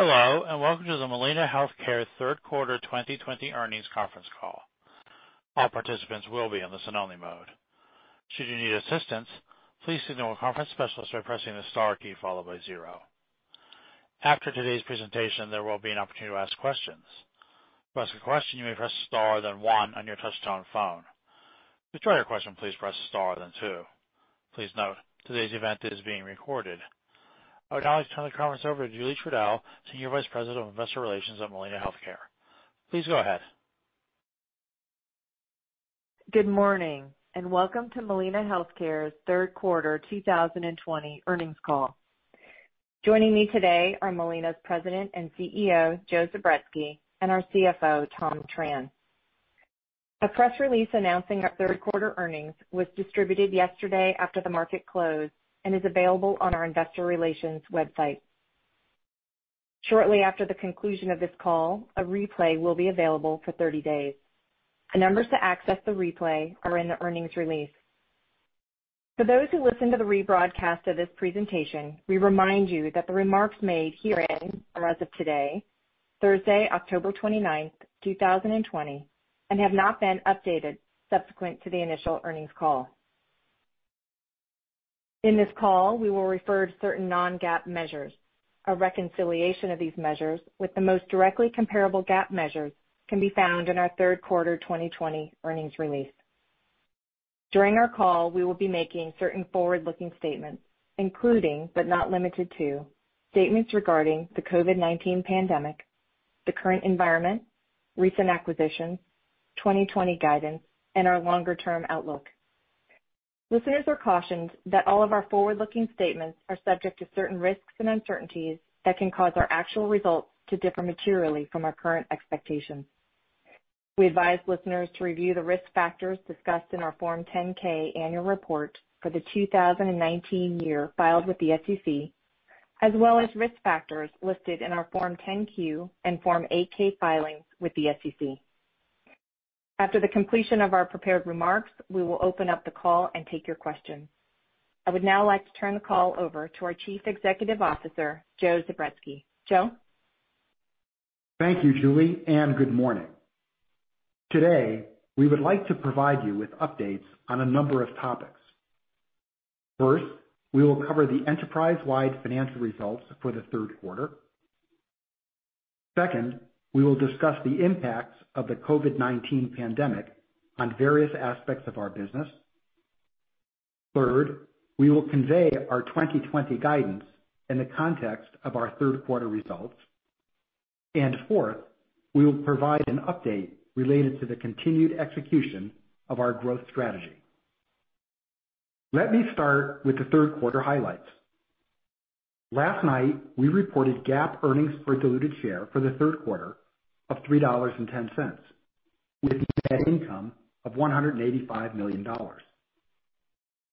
Hello, and welcome to the Molina Healthcare third quarter 2020 earnings conference call. All participants will be in listen-only mode. Should you need assistance, please connect to conference specialist by pressing star key followed by zero. After today's presentation there will be an opportunity to ask questions. To ask a question, you may press star then one on your touch tone phone. To withdraw your question, please press star then two. Please note today's event is being recorded. I would now like to turn the conference over to Julie Trudell, Senior Vice President of Investor Relations at Molina Healthcare. Please go ahead. Good morning, and welcome to Molina Healthcare's third quarter 2020 earnings call. Joining me today are Molina's President and Chief Executive Officer, Joe Zubretsky, and our Chief Financial Officer, Tom Tran. A press release announcing our third quarter earnings was distributed yesterday after the market closed and is available on our investor relations website. Shortly after the conclusion of this call, a replay will be available for 30 days. The numbers to access the replay are in the earnings release. For those who listen to the rebroadcast of this presentation, we remind you that the remarks made herein are as of today, Thursday, October 29th, 2020, and have not been updated subsequent to the initial earnings call. In this call, we will refer to certain non-GAAP measures. A reconciliation of these measures with the most directly comparable GAAP measures can be found in our third quarter 2020 earnings release. During our call, we will be making certain forward-looking statements, including, but not limited to, statements regarding the COVID-19 pandemic, the current environment, recent acquisitions, 2020 guidance, and our longer-term outlook. Listeners are cautioned that all of our forward-looking statements are subject to certain risks and uncertainties that can cause our actual results to differ materially from our current expectations. We advise listeners to review the risk factors discussed in our Form 10-K annual report for the 2019 year filed with the SEC, as well as risk factors listed in our Form 10-Q and Form 8-K filings with the SEC. After the completion of our prepared remarks, we will open up the call and take your questions. I would now like to turn the call over to our Chief Executive Officer, Joe Zubretsky. Joe? Thank you, Julie, and good morning. Today, we would like to provide you with updates on a number of topics. First, we will cover the enterprise-wide financial results for the third quarter. Second, we will discuss the impacts of the COVID-19 pandemic on various aspects of our business. Third, we will convey our 2020 guidance in the context of our third quarter results. Fourth, we will provide an update related to the continued execution of our growth strategy. Let me start with the third quarter highlights. Last night, we reported GAAP earnings per diluted share for the third quarter of $3.10, with net income of $185 million.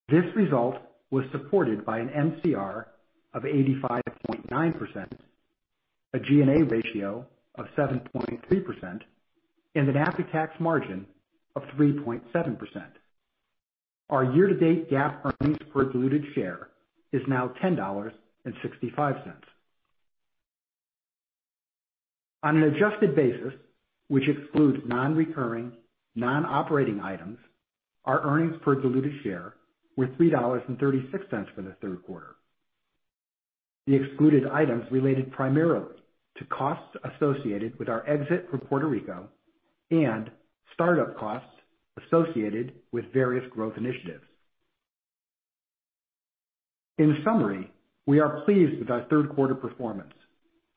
This result was supported by an MCR of 85.9%, a G&A ratio of 7.3%, and an after-tax margin of 3.7%. Our year-to-date GAAP earnings per diluted share is now $10.65. On an adjusted basis, which excludes non-recurring, non-operating items, our earnings per diluted share were $3.36 for the third quarter. The excluded items related primarily to costs associated with our exit from Puerto Rico and startup costs associated with various growth initiatives. In summary, we are pleased with our third quarter performance,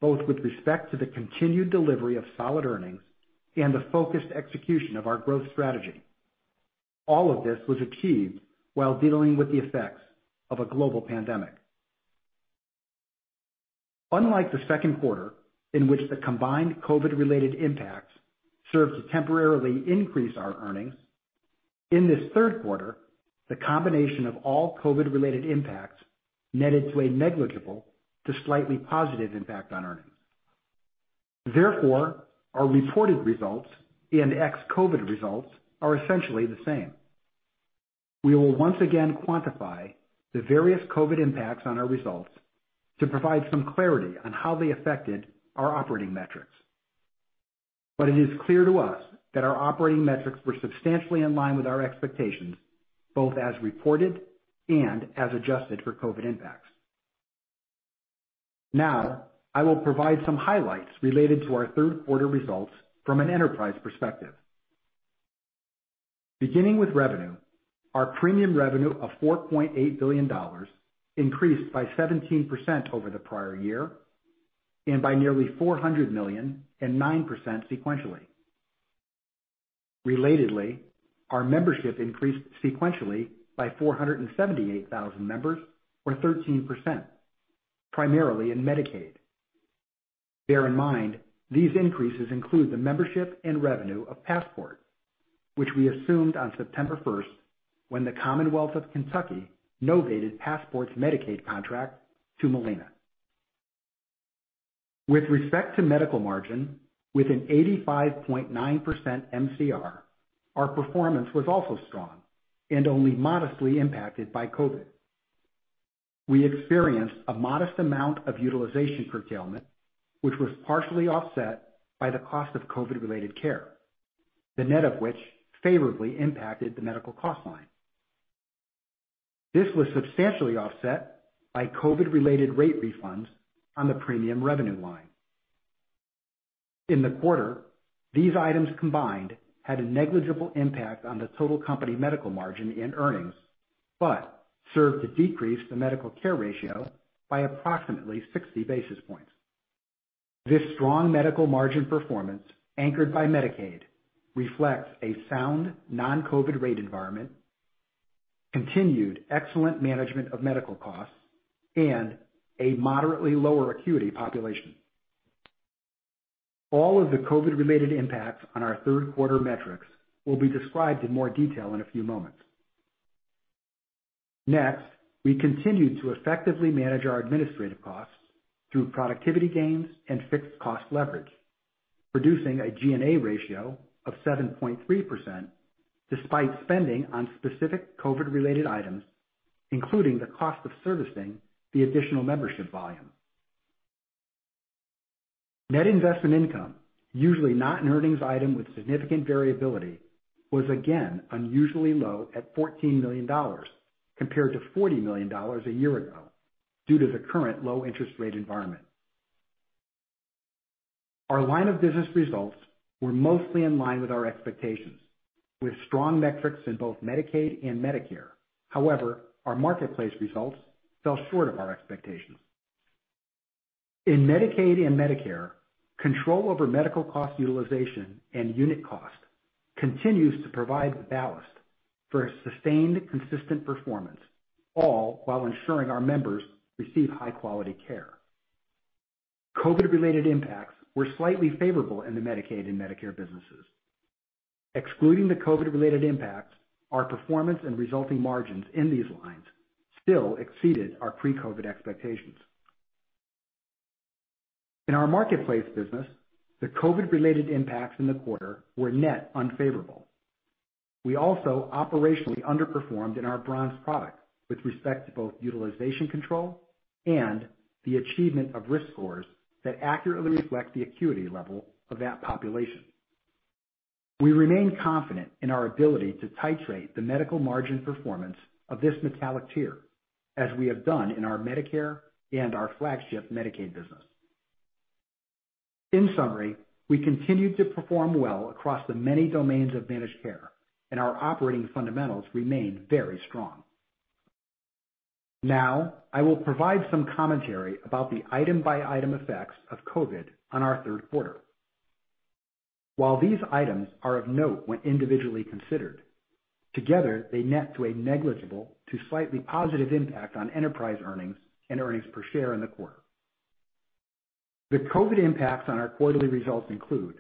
both with respect to the continued delivery of solid earnings and the focused execution of our growth strategy. All of this was achieved while dealing with the effects of a global pandemic. Unlike the second quarter, in which the combined COVID-related impacts served to temporarily increase our earnings, in this third quarter, the combination of all COVID-related impacts netted to a negligible to slightly positive impact on earnings. Therefore, our reported results and ex-COVID results are essentially the same. We will once again quantify the various COVID impacts on our results to provide some clarity on how they affected our operating metrics. It is clear to us that our operating metrics were substantially in line with our expectations, both as reported and as adjusted for COVID impacts. I will provide some highlights related to our third quarter results from an enterprise perspective. Beginning with revenue, our premium revenue of $4.8 billion increased by 17% over the prior year, and by nearly $400 million and 9% sequentially. Relatedly, our membership increased sequentially by 478,000 members or 13%, primarily in Medicaid. Bear in mind, these increases include the membership and revenue of Passport, which we assumed on September 1st when the Commonwealth of Kentucky novated Passport's Medicaid contract to Molina. With respect to medical margin, with an 85.9% MCR, our performance was also strong, and only modestly impacted by COVID. We experienced a modest amount of utilization curtailment, which was partially offset by the cost of COVID related care, the net of which favorably impacted the medical cost line. This was substantially offset by COVID related rate refunds on the premium revenue line. In the quarter, these items combined had a negligible impact on the total company medical margin and earnings, but served to decrease the medical care ratio by approximately 60 basis points. This strong medical margin performance, anchored by Medicaid, reflects a sound non-COVID rate environment, continued excellent management of medical costs, and a moderately lower acuity population. All of the COVID related impacts on our third quarter metrics will be described in more detail in a few moments. Next, we continued to effectively manage our administrative costs through productivity gains and fixed cost leverage, producing a G&A ratio of 7.3%, despite spending on specific COVID related items, including the cost of servicing the additional membership volume. Net investment income, usually not an earnings item with significant variability, was again unusually low at $14 million compared to $40 million a year ago, due to the current low interest rate environment. Our line of business results were mostly in line with our expectations, with strong metrics in both Medicaid and Medicare. However, our Marketplace results fell short of our expectations. In Medicaid and Medicare, control over medical cost utilization and unit cost continues to provide the ballast for a sustained, consistent performance, all while ensuring our members receive high quality care. COVID related impacts were slightly favorable in the Medicaid and Medicare businesses. Excluding the COVID-19 related impacts, our performance and resulting margins in these lines still exceeded our pre-COVID-19 expectations. In our Marketplace business, the COVID-19 related impacts in the quarter were net unfavorable. We also operationally underperformed in our Bronze products with respect to both utilization control and the achievement of risk scores that accurately reflect the acuity level of that population. We remain confident in our ability to titrate the medical margin performance of this metallic tier, as we have done in our Medicare and our flagship Medicaid business. In summary, we continued to perform well across the many domains of managed care, and our operating fundamentals remain very strong. Now, I will provide some commentary about the item by item effects of COVID-19 on our third quarter. While these items are of note when individually considered, together they net to a negligible to slightly positive impact on enterprise earnings and earnings per share in the quarter. The COVID impacts on our quarterly results include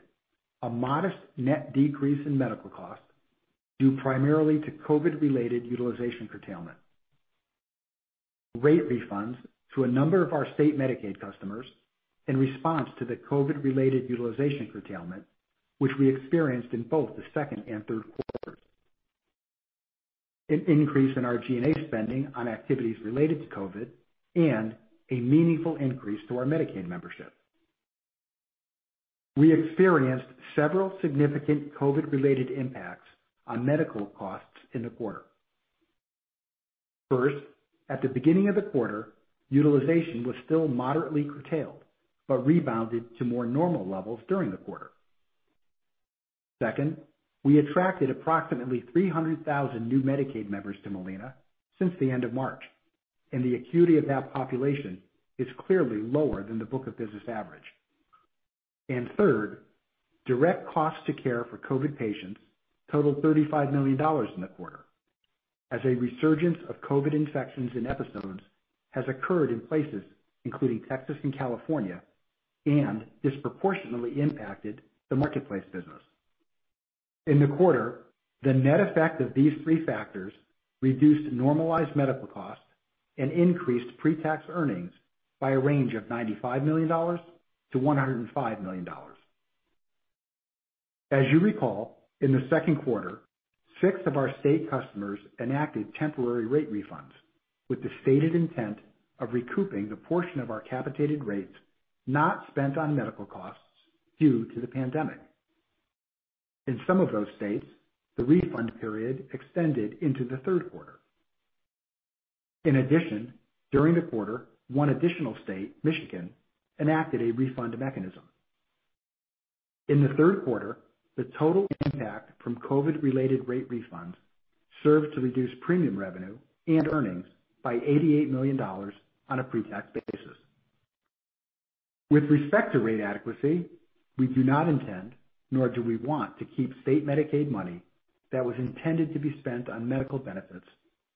a modest net decrease in medical costs, due primarily to COVID related utilization curtailment, rate refunds to a number of our state Medicaid customers in response to the COVID related utilization curtailment, which we experienced in both the second and third quarters. An increase in our G&A spending on activities related to COVID, and a meaningful increase to our Medicaid membership. We experienced several significant COVID related impacts on medical costs in the quarter. First, at the beginning of the quarter, utilization was still moderately curtailed, but rebounded to more normal levels during the quarter. Second, we attracted approximately 300,000 new Medicaid members to Molina since the end of March, and the acuity of that population is clearly lower than the book of business average. Third, direct cost to care for COVID patients totaled $35 million in the quarter, as a resurgence of COVID infections and episodes has occurred in places including Texas and California, and disproportionately impacted the Marketplace business. In the quarter, the net effect of these three factors reduced normalized medical costs and increased pre-tax earnings by a range of $95 million-$105 million. As you recall, in the second quarter, six of our state customers enacted temporary rate refunds with the stated intent of recouping the portion of our capitated rates not spent on medical costs due to the pandemic. In some of those states, the refund period extended into the third quarter. In addition, during the quarter, one additional state, Michigan, enacted a refund mechanism. In the third quarter, the total impact from COVID-19 related rate refunds served to reduce premium revenue and earnings by $88 million on a pre-tax basis. With respect to rate adequacy, we do not intend, nor do we want to keep state Medicaid money that was intended to be spent on medical benefits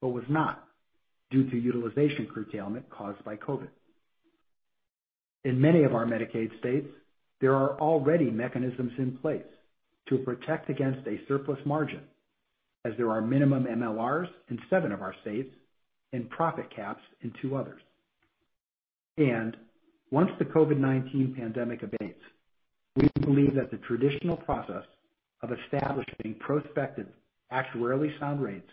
but was not, due to utilization curtailment caused by COVID-19. In many of our Medicaid states, there are already mechanisms in place to protect against a surplus margin, as there are minimum MLRs in seven of our states and profit caps in two others. Once the COVID-19 pandemic abates, we believe that the traditional process of establishing prospective actuarially sound rates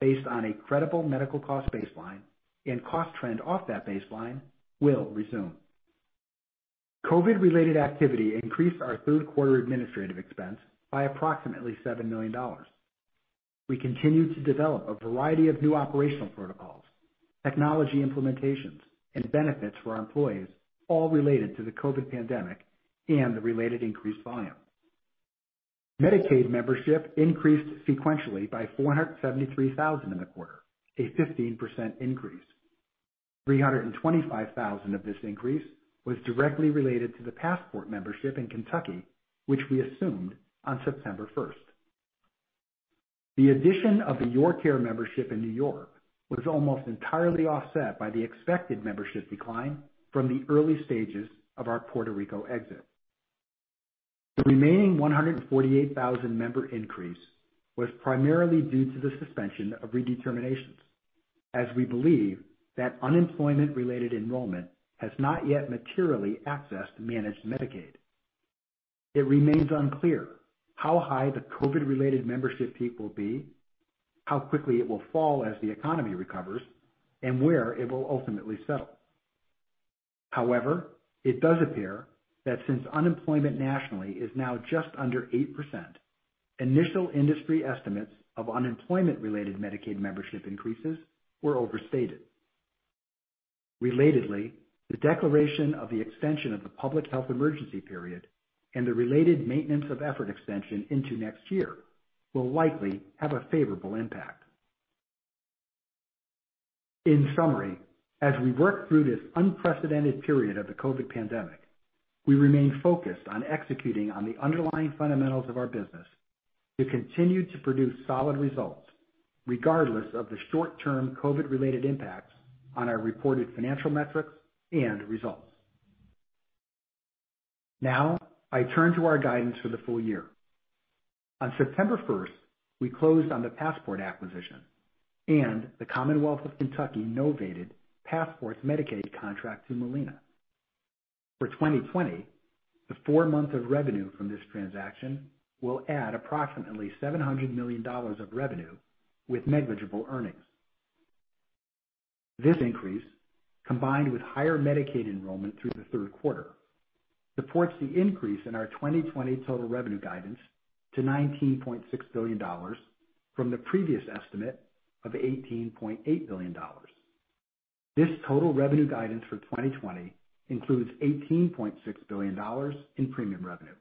based on a credible medical cost baseline and cost trend off that baseline will resume. COVID-related activity increased our third quarter administrative expense by approximately $7 million. We continue to develop a variety of new operational protocols, technology implementations, and benefits for our employees, all related to the COVID pandemic and the related increased volume. Medicaid membership increased sequentially by 473,000 in the quarter, a 15% increase. 325,000 of this increase was directly related to the Passport membership in Kentucky, which we assumed on September 1st. The addition of the YourCare membership in New York was almost entirely offset by the expected membership decline from the early stages of our Puerto Rico exit. The remaining 148,000 member increase was primarily due to the suspension of redeterminations, as we believe that unemployment-related enrollment has not yet materially accessed managed Medicaid. It remains unclear how high the COVID-related membership peak will be, how quickly it will fall as the economy recovers, and where it will ultimately settle. However, it does appear that since unemployment nationally is now just under 8%, initial industry estimates of unemployment-related Medicaid membership increases were overstated. Relatedly, the declaration of the extension of the public health emergency period and the related maintenance of effort extension into next year will likely have a favorable impact. In summary, as we work through this unprecedented period of the COVID pandemic, we remain focused on executing on the underlying fundamentals of our business to continue to produce solid results, regardless of the short-term COVID-related impacts on our reported financial metrics and results. Now, I turn to our guidance for the full year. On September 1st, we closed on the Passport acquisition, and the Commonwealth of Kentucky novated Passport's Medicaid contract to Molina. For 2020, the four months of revenue from this transaction will add approximately $700 million of revenue with negligible earnings. This increase, combined with higher Medicaid enrollment through the third quarter, supports the increase in our 2020 total revenue guidance to $19.6 billion from the previous estimate of $18.8 billion. This total revenue guidance for 2020 includes $18.6 billion in premium revenue.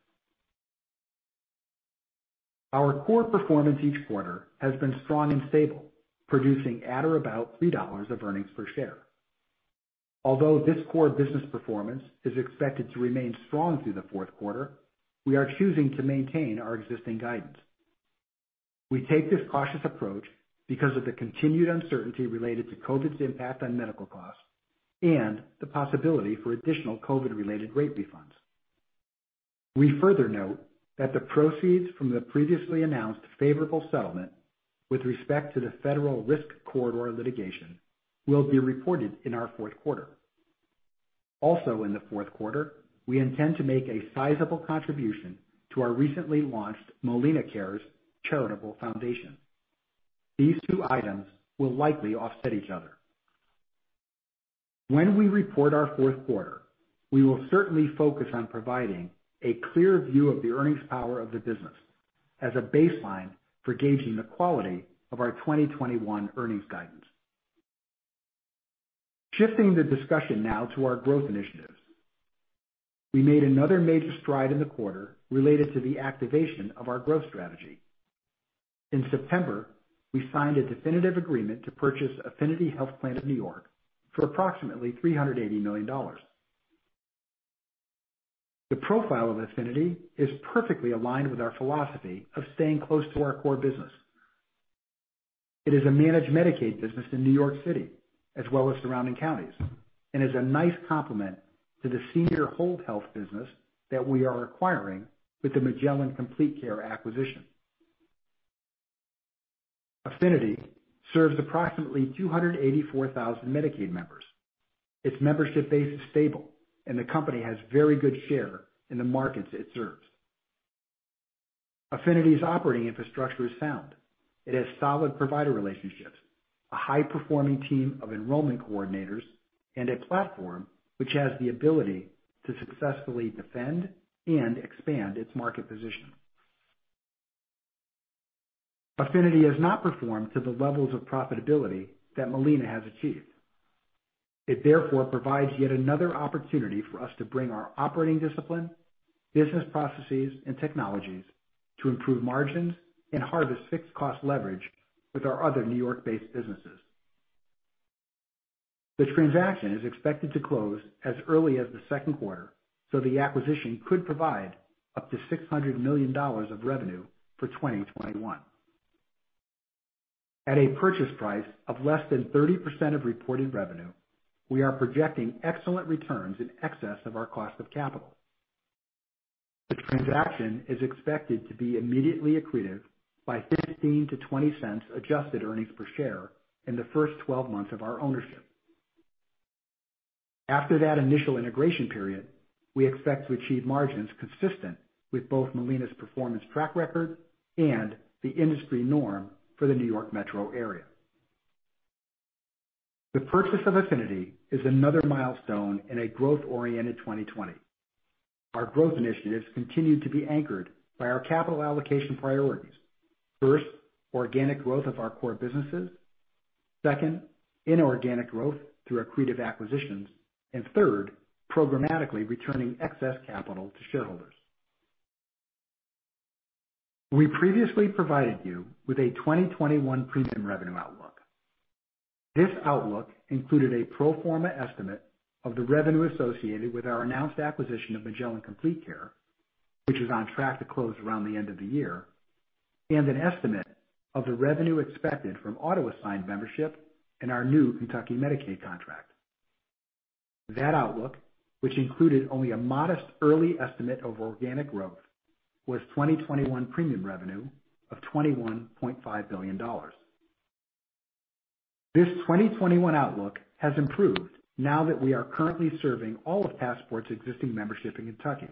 Our core performance each quarter has been strong and stable, producing at or about $3 of earnings per share. Although this core business performance is expected to remain strong through the fourth quarter, we are choosing to maintain our existing guidance. We take this cautious approach because of the continued uncertainty related to COVID's impact on medical costs and the possibility for additional COVID-related rate refunds. We further note that the proceeds from the previously announced favorable settlement with respect to the federal risk corridor litigation will be reported in our fourth quarter. Also in the fourth quarter, we intend to make a sizable contribution to our recently launched MolinaCares charitable foundation. These two items will likely offset each other. When we report our fourth quarter, we will certainly focus on providing a clear view of the earnings power of the business as a baseline for gauging the quality of our 2021 earnings guidance. Shifting the discussion now to our growth initiatives. We made another major stride in the quarter related to the activation of our growth strategy. In September, we signed a definitive agreement to purchase Affinity Health Plan of New York for approximately $380 million. The profile of Affinity is perfectly aligned with our philosophy of staying close to our core business. It is a managed Medicaid business in New York City as well as surrounding counties, and is a nice complement to the Senior Whole Health business that we are acquiring with the Magellan Complete Care acquisition. Affinity serves approximately 284,000 Medicaid members. Its membership base is stable, and the company has very good share in the markets it serves. Affinity's operating infrastructure is sound. It has solid provider relationships, a high-performing team of enrollment coordinators, and a platform which has the ability to successfully defend and expand its market position. Affinity has not performed to the levels of profitability that Molina has achieved. It therefore provides yet another opportunity for us to bring our operating discipline, business processes, and technologies to improve margins and harvest fixed cost leverage with our other New York-based businesses. The transaction is expected to close as early as the second quarter, the acquisition could provide up to $600 million of revenue for 2021. At a purchase price of less than 30% of reported revenue, we are projecting excellent returns in excess of our cost of capital. The transaction is expected to be immediately accretive by $0.15-$0.20 adjusted earnings per share in the first 12 months of our ownership. After that initial integration period, we expect to achieve margins consistent with both Molina's performance track record and the industry norm for the New York metro area. The purchase of Affinity is another milestone in a growth-oriented 2020. Our growth initiatives continue to be anchored by our capital allocation priorities. First, organic growth of our core businesses. Second, inorganic growth through accretive acquisitions, third, programmatically returning excess capital to shareholders. We previously provided you with a 2021 premium revenue outlook. This outlook included a pro forma estimate of the revenue associated with our announced acquisition of Magellan Complete Care, which is on track to close around the end of the year, and an estimate of the revenue expected from auto-assigned membership in our new Kentucky Medicaid contract. That outlook, which included only a modest early estimate of organic growth, was 2021 premium revenue of $21.5 billion. This 2021 outlook has improved now that we are currently serving all of Passport's existing membership in Kentucky,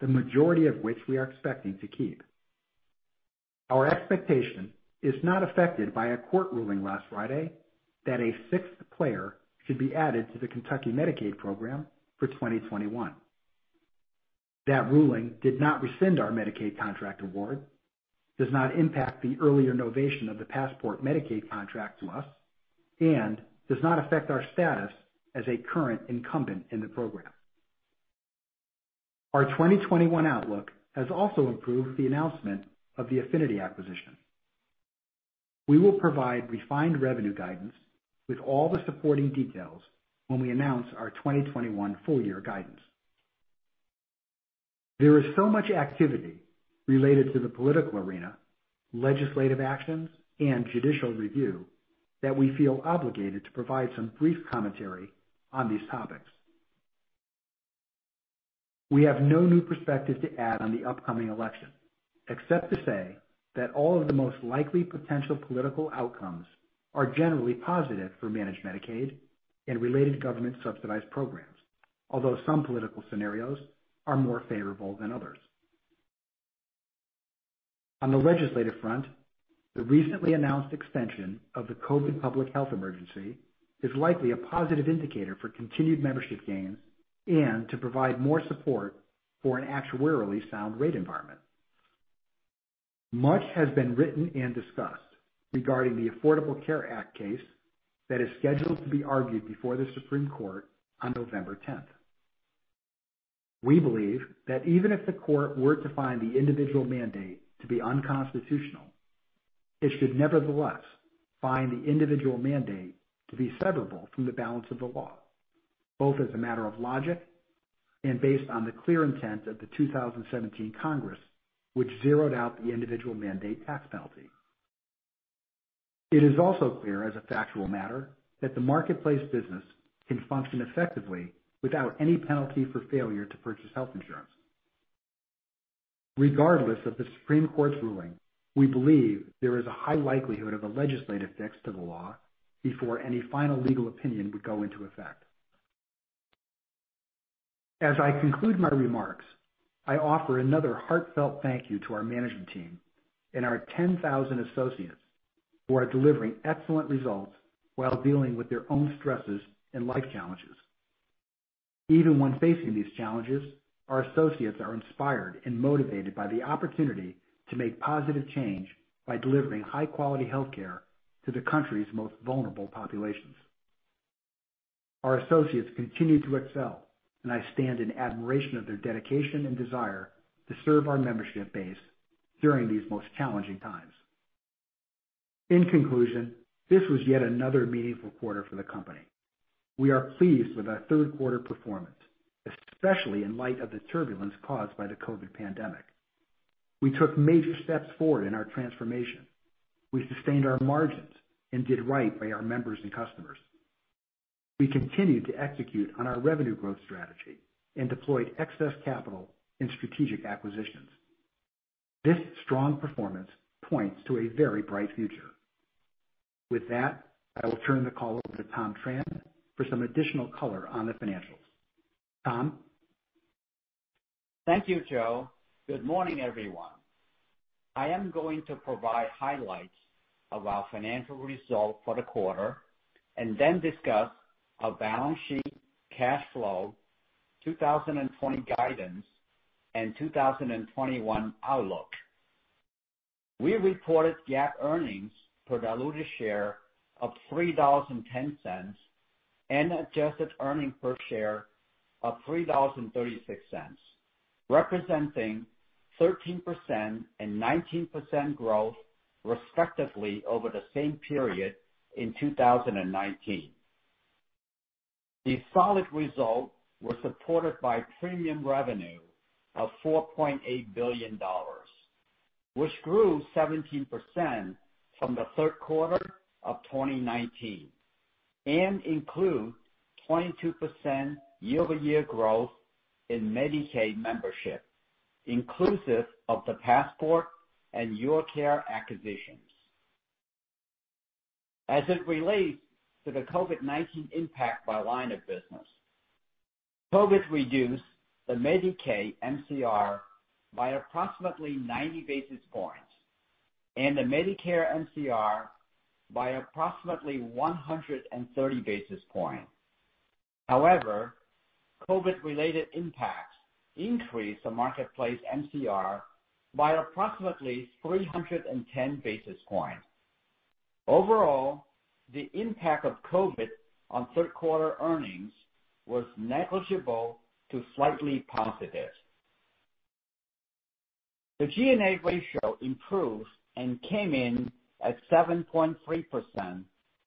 the majority of which we are expecting to keep. Our expectation is not affected by a court ruling last Friday that a sixth player should be added to the Kentucky Medicaid program for 2021. That ruling did not rescind our Medicaid contract award, does not impact the earlier novation of the Passport Medicaid contract to us, and does not affect our status as a current incumbent in the program. Our 2021 outlook has also improved with the announcement of the Affinity acquisition. We will provide refined revenue guidance with all the supporting details when we announce our 2021 full year guidance. There is so much activity related to the political arena, legislative actions, and judicial review that we feel obligated to provide some brief commentary on these topics. We have no new perspective to add on the upcoming election, except to say that all of the most likely potential political outcomes are generally positive for managed Medicaid and related government subsidized programs. Although some political scenarios are more favorable than others. On the legislative front, the recently announced extension of the COVID-19 public health emergency is likely a positive indicator for continued membership gains and to provide more support for an actuarially sound rate environment. Much has been written and discussed regarding the Affordable Care Act case that is scheduled to be argued before the Supreme Court on November 10th. We believe that even if the Court were to find the individual mandate to be unconstitutional, it should nevertheless find the individual mandate to be severable from the balance of the law, both as a matter of logic and based on the clear intent of the 2017 Congress, which zeroed out the individual mandate tax penalty. It is also clear, as a factual matter, that the Marketplace business can function effectively without any penalty for failure to purchase health insurance. Regardless of the Supreme Court's ruling, we believe there is a high likelihood of a legislative fix to the law before any final legal opinion would go into effect. As I conclude my remarks, I offer another heartfelt thank you to our management team and our 10,000 associates who are delivering excellent results while dealing with their own stresses and life challenges. Even when facing these challenges, our associates are inspired and motivated by the opportunity to make positive change by delivering high quality healthcare to the country's most vulnerable populations. Our associates continue to excel, and I stand in admiration of their dedication and desire to serve our membership base during these most challenging times. In conclusion, this was yet another meaningful quarter for the company. We are pleased with our third quarter performance, especially in light of the turbulence caused by the COVID pandemic. We took major steps forward in our transformation. We sustained our margins and did right by our members and customers. We continued to execute on our revenue growth strategy and deployed excess capital in strategic acquisitions. This strong performance points to a very bright future. With that, I will turn the call over to Tom Tran for some additional color on the financials. Tom? Thank you, Joe. Good morning, everyone. I am going to provide highlights of our financial results for the quarter and then discuss our balance sheet, cash flow, 2020 guidance, and 2021 outlook. We reported GAAP earnings per diluted share of $3.10 and adjusted earnings per share of $3.36, representing 13% and 19% growth, respectively, over the same period in 2019. A solid result was reported by premium revenue of $4.8 billion, which grew 17% from the third quarter of 2019. Include 22% year-over-year growth in Medicaid membership, inclusive of the Passport and YourCare acquisitions. As it relates to the COVID-19 impact by line of business, COVID reduced the Medicaid MCR by approximately 90 basis points and the Medicare MCR by approximately 130 basis points. However, COVID-related impacts increased the Marketplace MCR by approximately 310 basis points. Overall, the impact of COVID-19 on third quarter earnings was negligible to slightly positive. The G&A ratio improved and came in at 7.3%,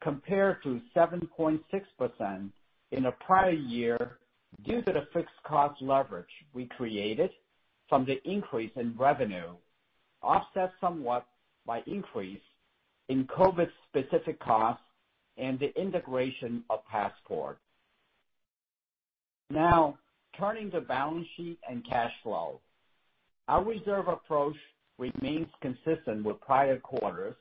compared to 7.6% in the prior year, due to the fixed cost leverage we created from the increase in revenue, offset somewhat by increase in COVID-19 specific costs and the integration of Passport. Now, turning to balance sheet and cash flow. Our reserve approach remains consistent with prior quarters,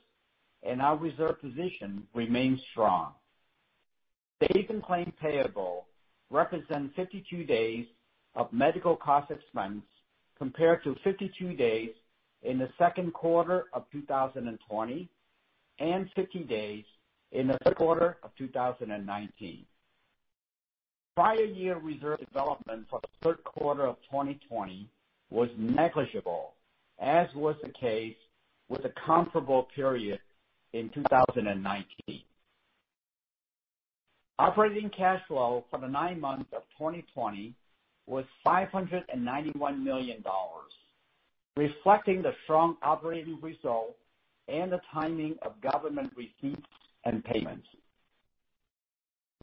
and our reserve position remains strong. Days in claim payable represent 52 days of medical cost expense, compared to 52 days in the second quarter of 2020, and 50 days in the third quarter of 2019. Prior year reserve development for the third quarter of 2020 was negligible, as was the case with the comparable period in 2019. Operating cash flow for the nine months of 2020 was $591 million, reflecting the strong operating result and the timing of government receipts and payments.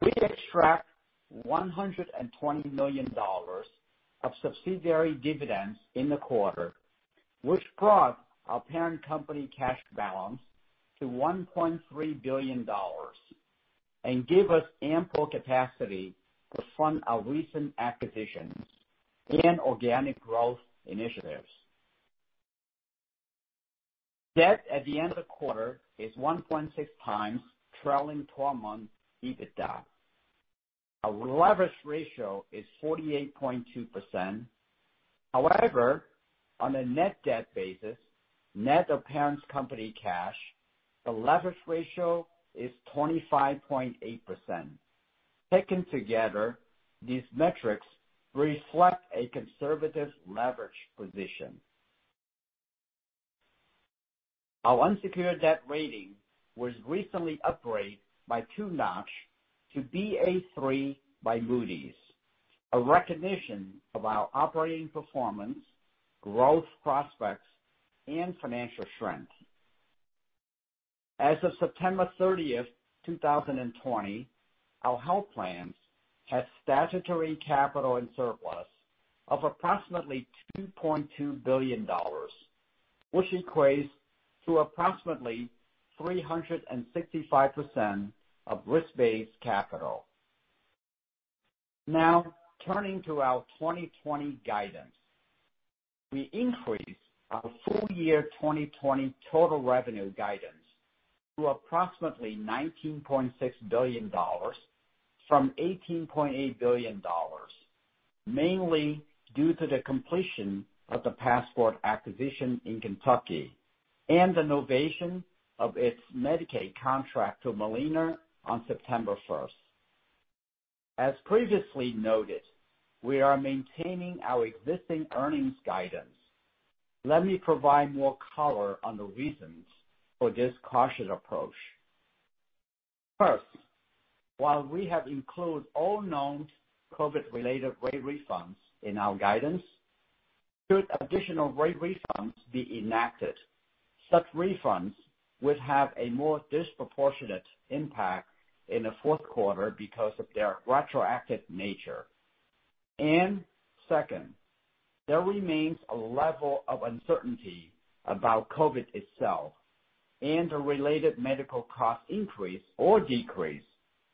We extracted $120 million of subsidiary dividends in the quarter, which brought our parent company cash balance to $1.3 billion, and give us ample capacity to fund our recent acquisitions and organic growth initiatives. Debt at the end of the quarter is 1.6x trailing 12-month EBITDA. Our leverage ratio is 48.2%. However, on a net debt basis, net of parent company cash, the leverage ratio is 25.8%. Taken together, these metrics reflect a conservative leverage position. Our unsecured debt rating was recently upgraded by two notch to Ba3 by Moody's, a recognition of our operating performance, growth prospects, and financial strength. As of September 30th, 2020, our health plans had statutory capital and surplus of approximately $2.2 billion, which equates to approximately 365% of risk-based capital. Now, turning to our 2020 guidance. We increased our full year 2020 total revenue guidance to approximately $19.6 billion from $18.8 billion, mainly due to the completion of the Passport acquisition in Kentucky and the novation of its Medicaid contract to Molina on September 1st. As previously noted, we are maintaining our existing earnings guidance. Let me provide more color on the reasons for this cautious approach. First, while we have included all known COVID-related rate refunds in our guidance, should additional rate refunds be enacted, such refunds would have a more disproportionate impact in the fourth quarter because of their retroactive nature. Second, there remains a level of uncertainty about COVID itself and the related medical cost increase or decrease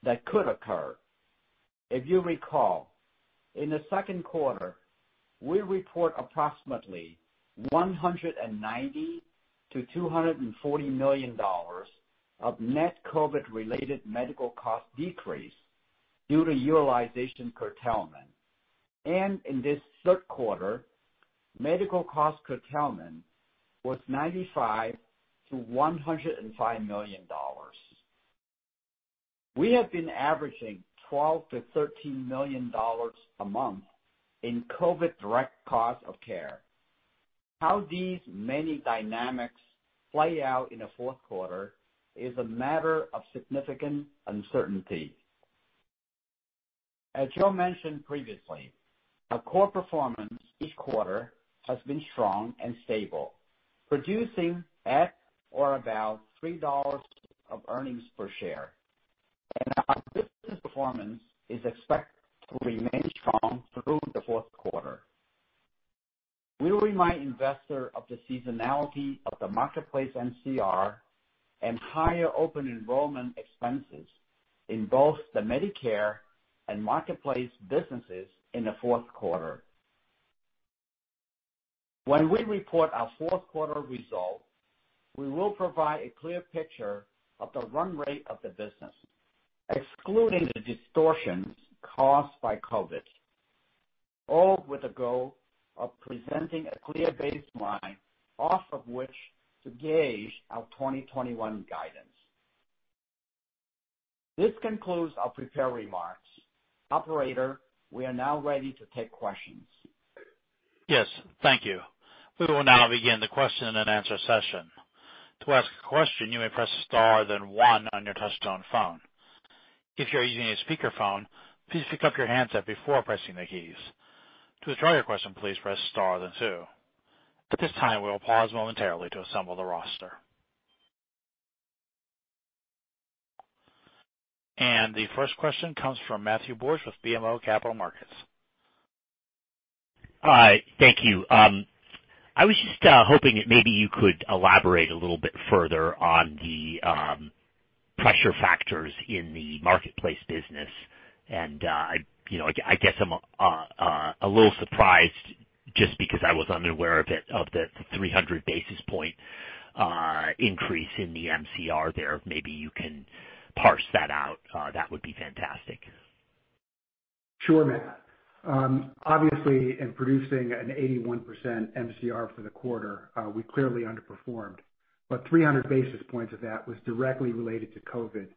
that could occur. If you recall, in the second quarter, we report approximately $190 million-$240 million of net COVID-related medical cost decrease due to utilization curtailment. In this third quarter, medical cost curtailment was $95 million-$105 million. We have been averaging $12 million-$13 million a month in COVID direct cost of care. How these many dynamics play out in the fourth quarter is a matter of significant uncertainty. As Joe mentioned previously, our core performance each quarter has been strong and stable, producing at or about $3 of earnings per share. Our business performance is expected to remain strong through the fourth quarter. We remind investors of the seasonality of the Marketplace MCR and higher open enrollment expenses in both the Medicare and Marketplace businesses in the fourth quarter. When we report our fourth quarter result, we will provide a clear picture of the run rate of the business, excluding the distortions caused by COVID, all with the goal of presenting a clear baseline off of which to gauge our 2021 guidance. This concludes our prepared remarks. Operator, we are now ready to take questions. Yes. Thank you. We will now begin the question and answer session. To ask a question, you may press star, then one on your touchtone phone. If you are using a speakerphone, please pick up your handset before pressing the keys. To withdraw your question, please press star, then two. At this time, we will pause momentarily to assemble the roster. The first question comes from Matthew Borsch with BMO Capital Markets. Hi. Thank you. I was just hoping that maybe you could elaborate a little bit further on the pressure factors in the Marketplace business. I guess I'm a little surprised just because I was unaware of the 300 basis point increase in the MCR there. Maybe you can parse that out. That would be fantastic. Sure, Matt. Obviously, in producing an 81% MCR for the quarter, we clearly underperformed. But 300 basis points of that was directly related to COVID,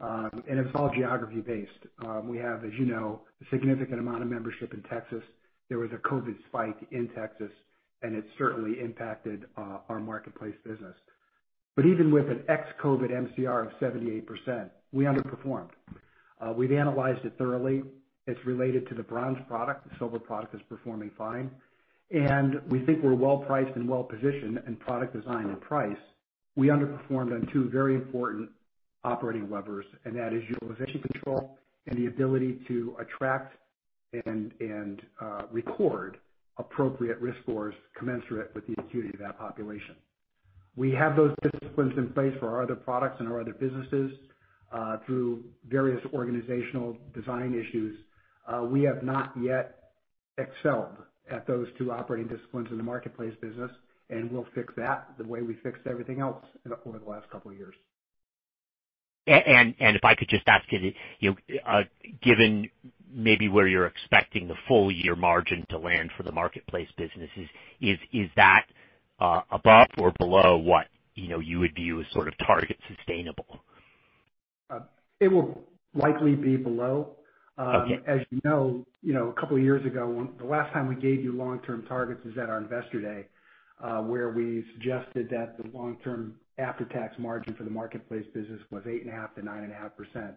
and it's all geography-based. We have, as you know, a significant amount of membership in Texas. There was a COVID spike in Texas, and it certainly impacted our Marketplace business. Even with an ex-COVID MCR of 78%, we underperformed. We've analyzed it thoroughly. It's related to the Bronze product. The silver product is performing fine. We think we're well-priced and well-positioned in product design and price. We underperformed on two very important operating levers, and that is utilization control and the ability to attract and record appropriate risk scores commensurate with the acuity of that population. We have those disciplines in place for our other products and our other businesses. Through various organizational design issues, we have not yet excelled at those two operating disciplines in the Marketplace business, and we'll fix that the way we fixed everything else over the last couple of years. If I could just ask it, given maybe where you're expecting the full-year margin to land for the Marketplace businesses, is that above or below what you would view as sort of target sustainable? It will likely be below. As you know, a couple of years ago, the last time we gave you long-term targets is at our Investor Day, where we suggested that the long-term after-tax margin for the Marketplace business was 8.5%-9.5%.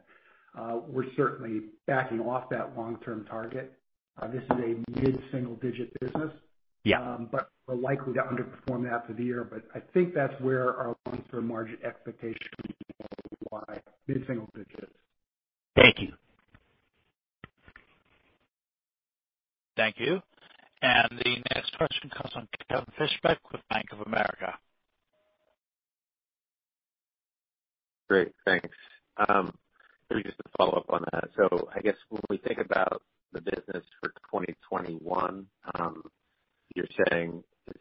We're certainly backing off that long-term target. This is a mid-single digit business. We're likely to underperform that for the year, but I think that's where our long-term margin expectation mid-single digits. Thank you. Thank you. The next question comes from Kevin Fischbeck with Bank of America. Great. Thanks. Maybe just to follow up on that. I guess when we think about the business for 2021, it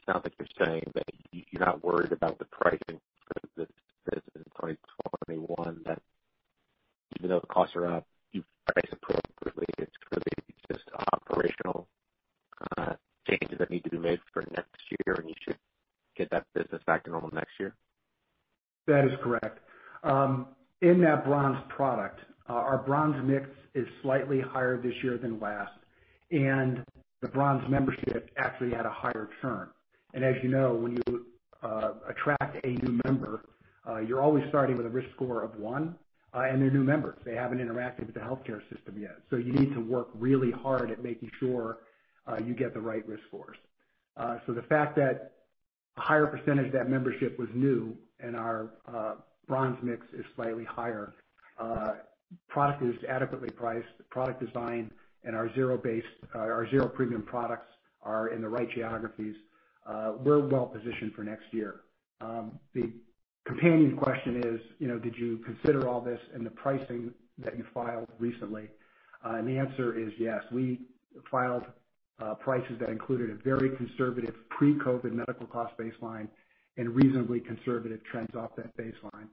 sounds like you're saying that you're not worried about the pricing for the business in 2021, that even though the costs are up, you've priced appropriately. It's really just operational changes that need to be made for next year, and you should get that business back to normal next year? That is correct. In that Bronze product, our Bronze mix is slightly higher this year than last, and the Bronze membership actually had a higher churn. As you know, when you attract a new member, you're always starting with a risk score of one, and they're new members. They haven't interacted with the healthcare system yet. You need to work really hard at making sure you get the right risk scores. The fact that a higher percentage of that membership was new and our Bronze mix is slightly higher, product is adequately priced, the product design, and our zero premium products are in the right geographies. We're well positioned for next year. The companion question is, did you consider all this in the pricing that you filed recently? The answer is yes. We filed prices that included a very conservative pre-COVID medical cost baseline and reasonably conservative trends off that baseline.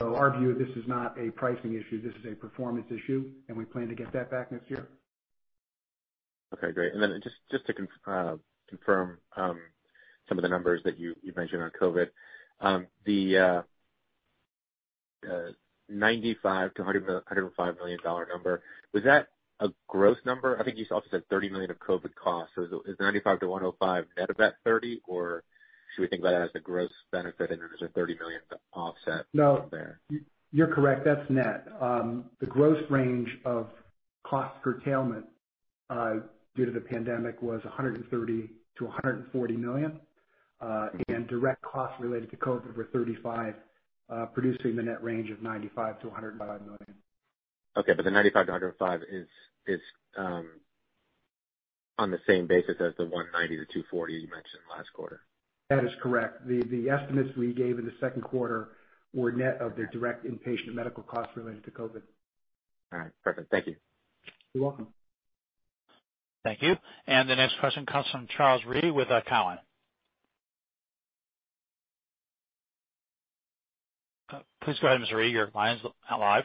Our view of this is not a pricing issue, this is a performance issue, and we plan to get that back next year. Okay, great. Just to confirm some of the numbers that you mentioned on COVID. The $95 million-$105 million number, was that a gross number? I think you also said $30 million of COVID costs. Is $95 million-$105 million net of that $30 million, or should we think about it as the gross benefit, and there's a $30 million offset there? No. You're correct. That's net. The gross range of cost curtailment due to the pandemic was $130 million-$140 million. Direct costs related to COVID-19 were $35 million, producing the net range of $95 million-$105 million. Okay, the $95 million-$105 million is on the same basis as the $190 million-$240 million you mentioned last quarter? That is correct. The estimates we gave in the second quarter were net of their direct inpatient medical costs related to COVID. All right, perfect. Thank you. You're welcome. Thank you. The next question comes from Charles Rhyee with Cowen. Please go ahead, Mr. Rhyee. Your line's live.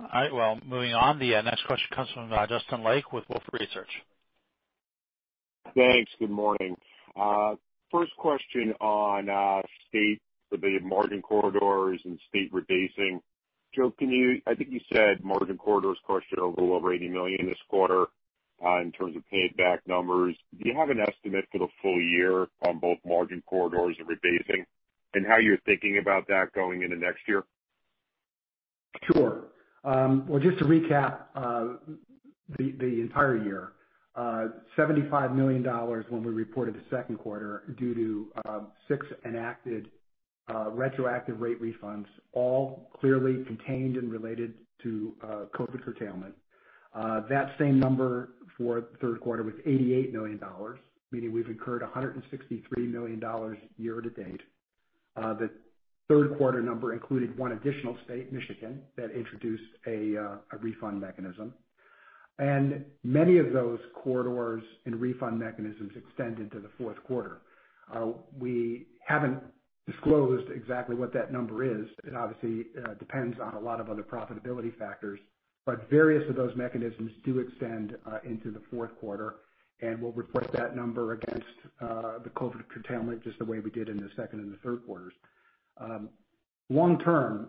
All right. Well, moving on. The next question comes from Justin Lake with Wolfe Research. Thanks. Good morning. First question on state-related margin corridors and state rebasing. Joe, I think you said margin corridors cost you a little over $80 million this quarter in terms of paid back numbers. Do you have an estimate for the full year on both margin corridors and rebasing, and how you're thinking about that going into next year? Sure. Well, just to recap, the entire year, $75 million when we reported the second quarter due to six enacted retroactive rate refunds, all clearly contained and related to COVID curtailment. That same number for the third quarter was $88 million, meaning we've incurred $163 million year to date. The third quarter number included one additional state, Michigan, that introduced a refund mechanism. Many of those corridors and refund mechanisms extend into the fourth quarter. We haven't disclosed exactly what that number is. It obviously depends on a lot of other profitability factors. Various of those mechanisms do extend into the fourth quarter, and we'll report that number against the COVID curtailment just the way we did in the second and the third quarters. Long term,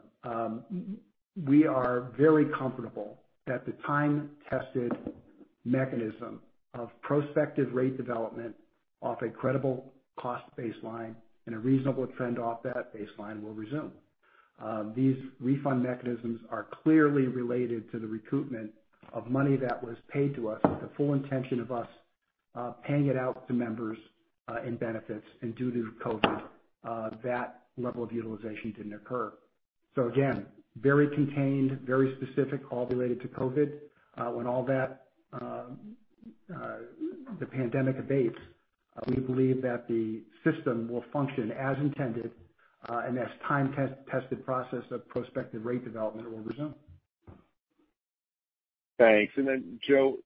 we are very comfortable that the time-tested mechanism of prospective rate development off a credible cost baseline and a reasonable trend off that baseline will resume. These refund mechanisms are clearly related to the recoupment of money that was paid to us with the full intention of us paying it out to members in benefits. Due to COVID-19, that level of utilization didn't occur. Again, very contained, very specific, all related to COVID-19. When the pandemic abates, we believe that the system will function as intended, and this time-tested process of prospective rate development will resume. Thanks. Joe,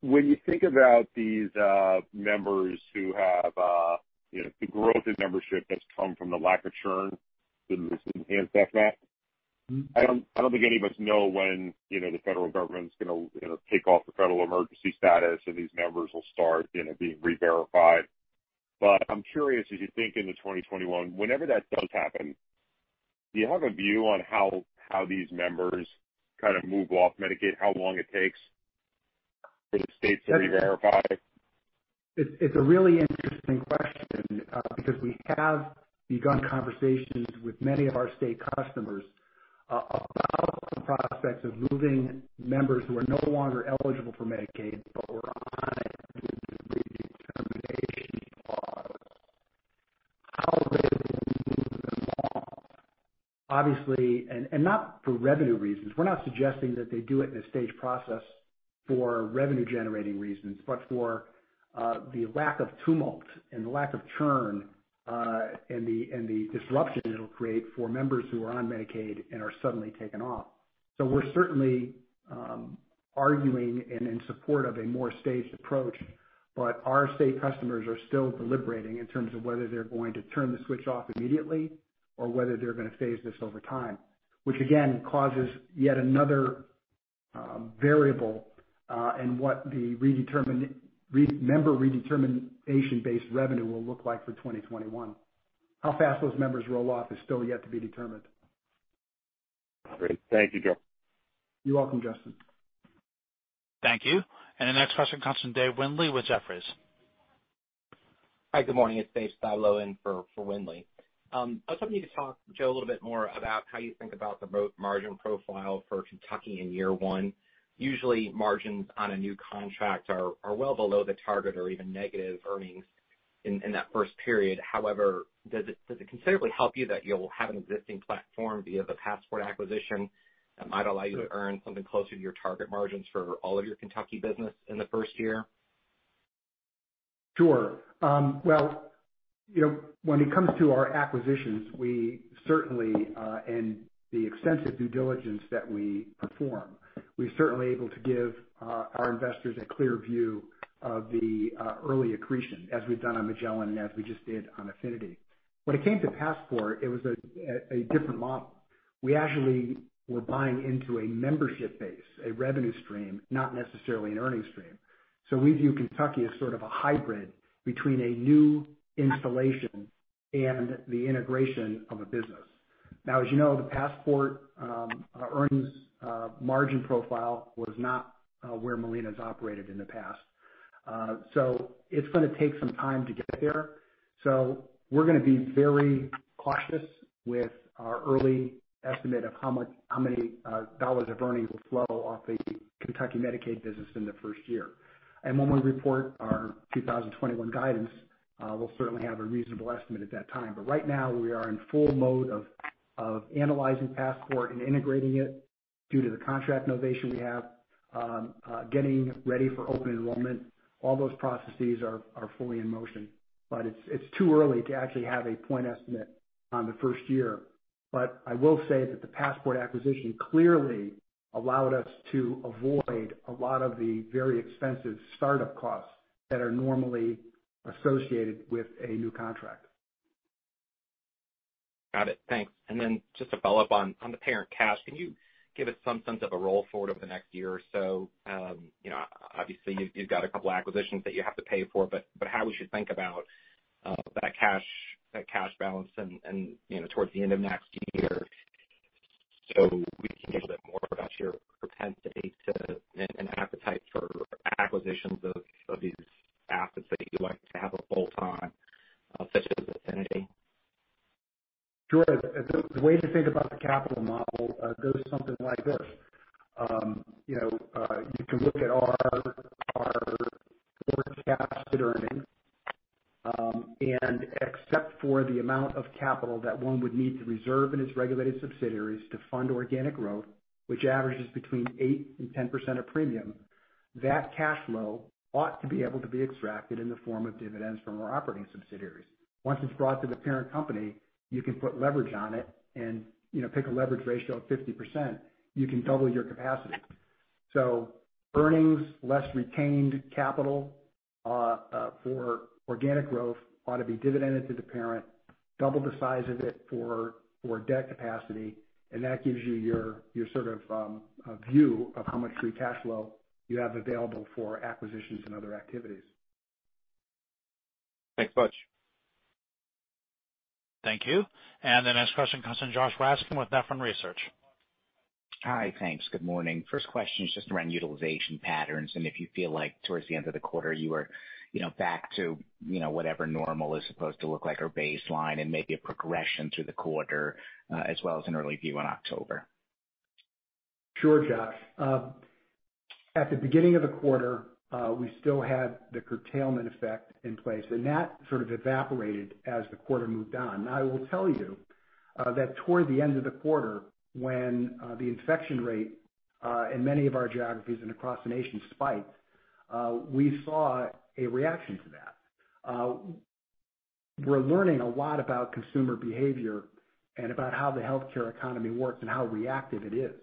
when you think about these members who have the growth in membership that's come from the lack of churn in this enhanced FMAP. I don't think any of us know when the federal government's going to take off the federal emergency status and these members will start being re-verified. I'm curious, as you think into 2021, whenever that does happen, do you have a view on how these members kind of move off Medicaid, how long it takes for the states to re-verify? It's a really interesting question, because we have begun conversations with many of our state customers about the prospects of moving members who are no longer eligible for Medicaid, but were on it due to the redetermination clause. How they will move them off. Obviously, not for revenue reasons. We're not suggesting that they do it in a staged process for revenue generating reasons, but for the lack of tumult and the lack of churn, and the disruption it'll create for members who are on Medicaid and are suddenly taken off. We're certainly arguing and in support of a more staged approach. Our state customers are still deliberating in terms of whether they're going to turn the switch off immediately or whether they're going to phase this over time. Which again, causes yet another variable in what the member redetermination-based revenue will look like for 2021. How fast those members roll off is still yet to be determined. Great. Thank you, Joe. You're welcome, Justin. Thank you. The next question comes from Dave Windley with Jefferies. Hi, good morning. It's Dave Styblo in for Windley. I was hoping you could talk, Joe, a little bit more about how you think about the margin profile for Kentucky in year one. Usually, margins on a new contract are well below the target or even negative earnings in that first period. However, does it considerably help you that you'll have an existing platform via the Passport acquisition that might allow you to earn something closer to your target margins for all of your Kentucky business in the first year? Sure. Well, when it comes to our acquisitions, and the extensive due diligence that we perform, we're certainly able to give our investors a clear view of the early accretion, as we've done on Magellan and as we just did on Affinity. When it came to Passport, it was a different model. We actually were buying into a membership base, a revenue stream, not necessarily an earnings stream. We view Kentucky as sort of a hybrid between a new installation and the integration of a business. Now, as you know, the Passport earnings margin profile was not where Molina's operated in the past. It's going to take some time to get there. We're going to be very cautious with our early estimate of how many dollars of earnings will flow off a Kentucky Medicaid business in the first year. When we report our 2021 guidance, we'll certainly have a reasonable estimate at that time. Right now, we are in full mode of analyzing Passport and integrating it due to the contract novation we have, getting ready for open enrollment, all those processes are fully in motion, but it's too early to actually have a point estimate on the first year. I will say that the Passport acquisition clearly allowed us to avoid a lot of the very expensive startup costs that are normally associated with a new contract. Got it. Thanks. Just to follow up on the parent cash, can you give us some sense of a roll forward over the next year or so? Obviously, you've got a couple acquisitions that you have to pay for, how we should think about that cash balance and towards the end of next year, so we can get a bit more about your propensity to, and appetite for acquisitions of these assets that you like to have a full-line, such as Affinity. Sure. The way to think about the capital model goes something like this. You can look at our cash and earnings, and except for the amount of capital that one would need to reserve in its regulated subsidiaries to fund organic growth, which averages between 8%-10% of premium, that cash flow ought to be able to be extracted in the form of dividends from our operating subsidiaries. Once it's brought to the parent company, you can put leverage on it and pick a leverage ratio of 50%. You can double your capacity. Earnings less retained capital for organic growth ought to be dividended to the parent, double the size of it for debt capacity, and that gives you your sort of a view of how much free cash flow you have available for acquisitions and other activities. Thank you so much. Thank you. The next question comes from Josh Raskin with Nephron Research. Hi. Thanks. Good morning. First question is just around utilization patterns, and if you feel like towards the end of the quarter, you were back to whatever normal is supposed to look like, or baseline, and maybe a progression through the quarter, as well as an early view on October? Sure, Josh. At the beginning of the quarter, we still had the curtailment effect in place, and that sort of evaporated as the quarter moved on. I will tell you that toward the end of the quarter, when the infection rate, in many of our geographies and across the nation spiked, we saw a reaction to that. We're learning a lot about consumer behavior and about how the healthcare economy works and how reactive it is.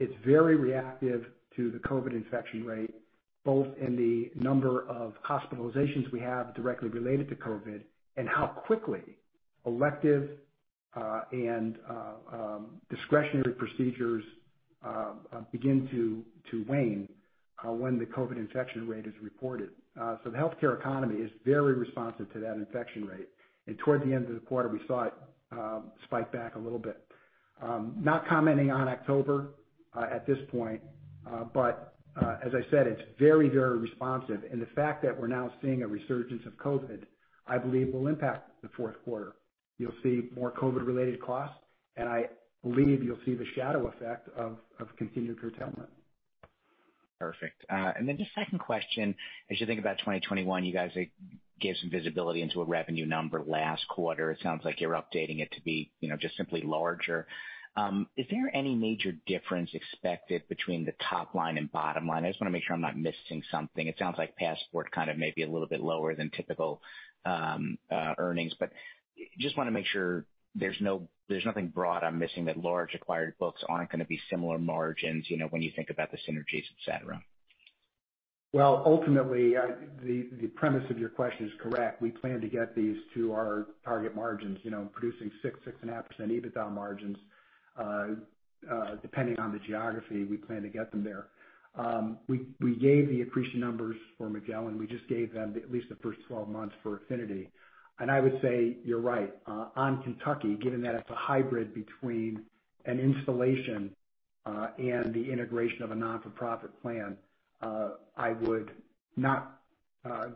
It's very reactive to the COVID infection rate, both in the number of hospitalizations we have directly related to COVID, and how quickly elective and discretionary procedures begin to wane when the COVID infection rate is reported. The healthcare economy is very responsive to that infection rate. Towards the end of the quarter, we saw it spike back a little bit. Not commenting on October at this point, as I said, it's very, very responsive. The fact that we're now seeing a resurgence of COVID, I believe, will impact the fourth quarter. You'll see more COVID-related costs, and I believe you'll see the shadow effect of continued curtailment. Perfect. Just second question, as you think about 2021, you guys gave some visibility into a revenue number last quarter. It sounds like you're updating it to be just simply larger. Is there any major difference expected between the top line and bottom line? I just want to make sure I'm not missing something. It sounds like Passport kind of may be a little bit lower than typical earnings, just want to make sure there's nothing broad I'm missing that large acquired books aren't going to be similar margins, when you think about the synergies, et cetera. Well, ultimately, the premise of your question is correct. We plan to get these to our target margins, producing 6%, 6.5% EBITDA margins. Depending on the geography, we plan to get them there. We gave the accretion numbers for Magellan. We just gave them at least the first 12 months for Affinity. I would say you're right. On Kentucky, given that it's a hybrid between an installation and the integration of a not-for-profit plan, I would not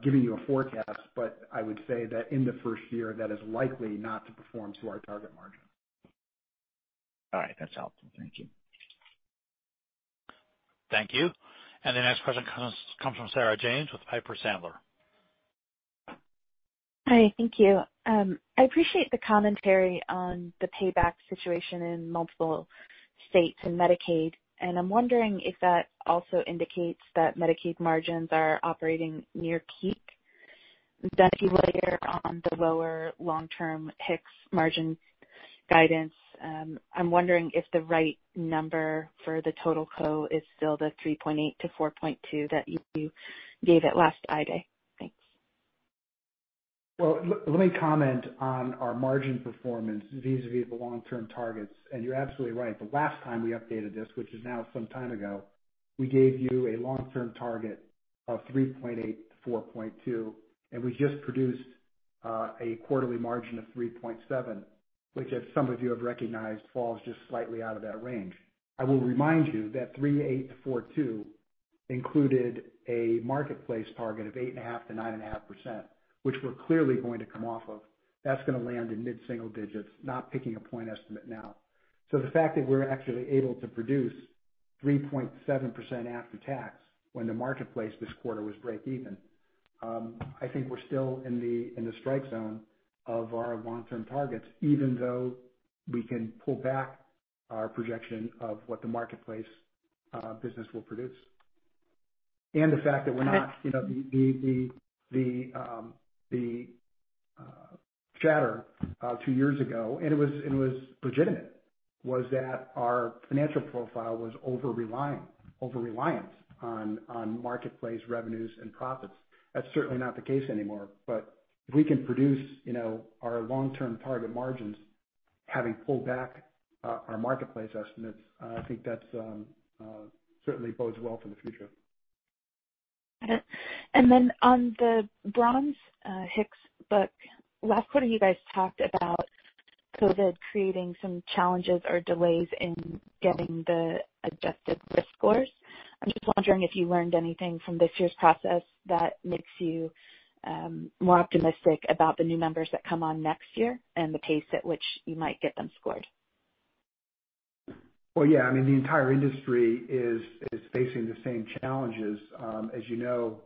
giving you a forecast, but I would say that in the first year, that is likely not to perform to our target margin. All right. That's helpful. Thank you. Thank you. The next question comes from Sarah James with Piper Sandler. Hi. Thank you. I appreciate the commentary on the payback situation in multiple states and Medicaid, and I'm wondering if that also indicates that Medicaid margins are operating near peak. If you layer on the lower long-term HIX margin guidance, I'm wondering if the right number for the total co is still the 3.8%-4.2% that you gave at last Investor Day. Thanks. Well, let me comment on our margin performance vis-à-vis the long-term targets. You're absolutely right. The last time we updated this, which is now some time ago, we gave you a long-term target of 3.8%-4.2%, and we just produced a quarterly margin of 3.7%, which, as some of you have recognized, falls just slightly out of that range. I will remind you that 3.8%-4.2% included a Marketplace target of 8.5%-9.5%, which we're clearly going to come off of. That's going to land in mid-single digits, not picking a point estimate now. The fact that we're actually able to produce 3.7% after tax when the Marketplace this quarter was breakeven, I think we're still in the strike zone of our long-term targets, even though we can pull back our projection of what the Marketplace business will produce. The fact that we're not, the chatter two years ago, and it was legitimate, was that our financial profile was overreliant on Marketplace revenues and profits. That's certainly not the case anymore. If we can produce our long-term target margins, having pulled back our Marketplace estimates, I think that certainly bodes well for the future. Got it. On the Bronze HIX book, last quarter, you guys talked about COVID creating some challenges or delays in getting the adjusted risk scores. I'm just wondering if you learned anything from this year's process that makes you more optimistic about the new members that come on next year and the pace at which you might get them scored. Well, yeah, the entire industry is facing the same challenges. As you know,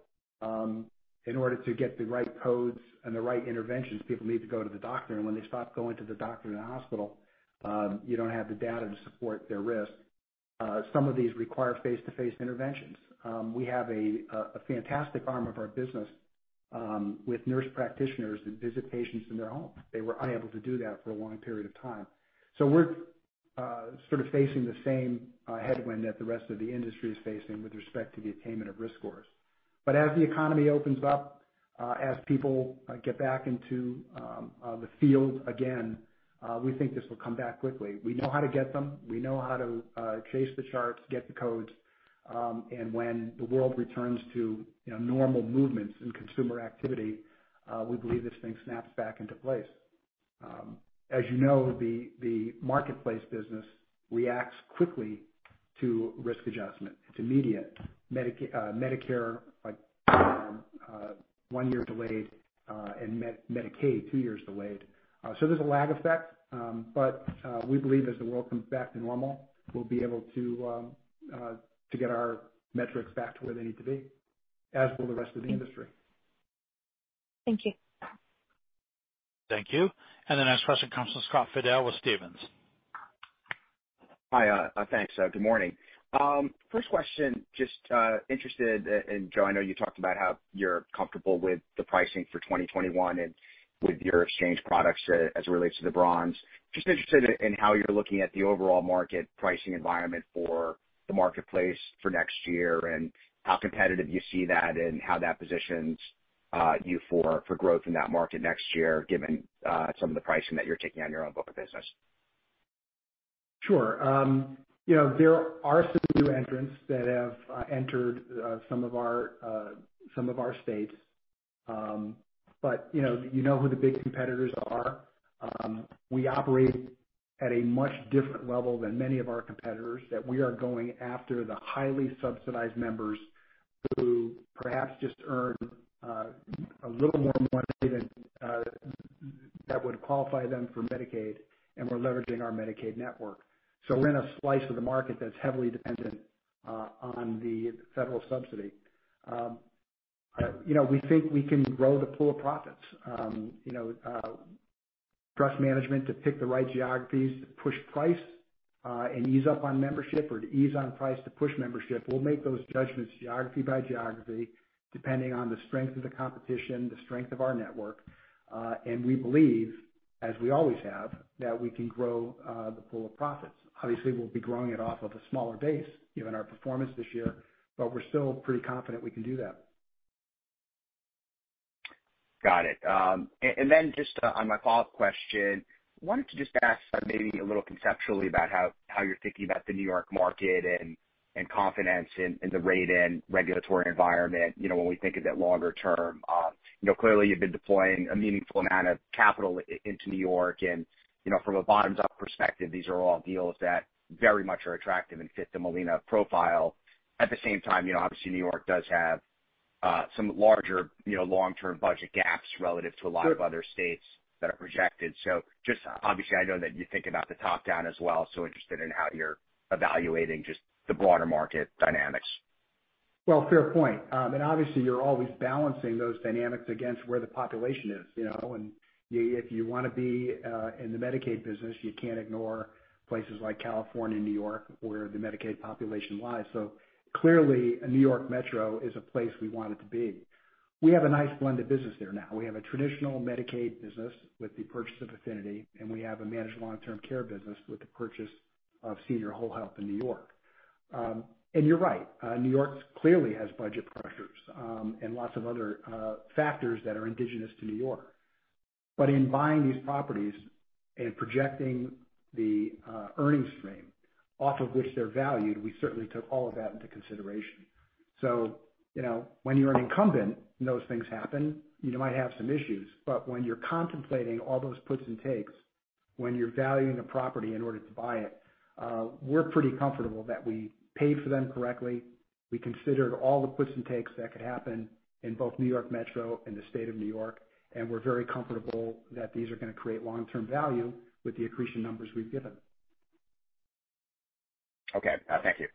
in order to get the right codes and the right interventions, people need to go to the doctor, and when they stop going to the doctor and hospital, you don't have the data to support their risk. Some of these require face-to-face interventions. We have a fantastic arm of our business with nurse practitioners that visit patients in their home. They were unable to do that for a long period of time. We're sort of facing the same headwind that the rest of the industry is facing with respect to the attainment of risk scores. As the economy opens up, as people get back into the field again, we think this will come back quickly. We know how to get them. We know how to chase the charts, get the codes, and when the world returns to normal movements and consumer activity, we believe this thing snaps back into place. As you know, the Marketplace business reacts quickly to risk adjustment. It's immediate. Medicare, one year delayed, and Medicaid, two years delayed. There's a lag effect. We believe as the world comes back to normal, we'll be able to get our metrics back to where they need to be, as will the rest of the industry. Thank you. Thank you. The next question comes from Scott Fidel with Stephens. Hi. Thanks. Good morning. First question, just interested, and Joe, I know you talked about how you're comfortable with the pricing for 2021 and with your exchange products as it relates to the Bronze. Just interested in how you're looking at the overall market pricing environment for the Marketplace for next year and how competitive you see that and how that positions you for growth in that market next year, given some of the pricing that you're taking on your own book of business. Sure. There are some new entrants that have entered some of our states. You know who the big competitors are. We operate at a much different level than many of our competitors, that we are going after the highly subsidized members who perhaps just earn a little more money that would qualify them for Medicaid, and we're leveraging our Medicaid network. We're in a slice of the market that's heavily dependent on the federal subsidy. We think we can grow the pool of profits. Trust management to pick the right geographies to push price, and ease up on membership or to ease on price to push membership. We'll make those judgments geography by geography, depending on the strength of the competition, the strength of our network. We believe, as we always have, that we can grow the pool of profits. Obviously, we'll be growing it off of a smaller base given our performance this year, but we're still pretty confident we can do that. Got it. Then just on my follow-up question, wanted to just ask maybe a little conceptually about how you're thinking about the New York market and confidence in the rate and regulatory environment when we think of it longer term. Clearly you've been deploying a meaningful amount of capital into New York, and from a bottoms-up perspective, these are all deals that very much are attractive and fit the Molina profile. At the same time, obviously New York does have some larger long-term budget gaps relative to a lot of other states that are projected. Just obviously, I know that you think about the top-down as well, so interested in how you're evaluating just the broader market dynamics. Fair point. Obviously you're always balancing those dynamics against where the population is. If you want to be in the Medicaid business, you can't ignore places like California and New York where the Medicaid population lies. Clearly, New York Metro is a place we wanted to be. We have a nice blended business there now. We have a traditional Medicaid business with the purchase of Affinity, and we have a managed long-term care business with the purchase of Senior Whole Health in New York. You're right. New York clearly has budget pressures, and lots of other factors that are indigenous to New York. In buying these properties and projecting the earnings stream off of which they're valued, we certainly took all of that into consideration. When you're an incumbent and those things happen, you might have some issues, but when you're contemplating all those puts and takes, when you're valuing a property in order to buy it, we're pretty comfortable that we paid for them correctly. We considered all the puts and takes that could happen in both New York Metro and the state of New York, and we're very comfortable that these are going to create long-term value with the accretion numbers we've given. Okay. Thank you.